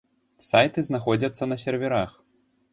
Сайты знаходзяцца на серверах.